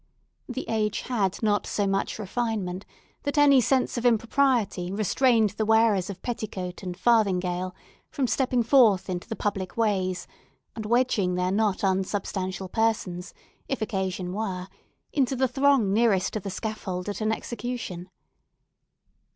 The age had not so much refinement, that any sense of impropriety restrained the wearers of petticoat and farthingale from stepping forth into the public ways, and wedging their not unsubstantial persons, if occasion were, into the throng nearest to the scaffold at an execution.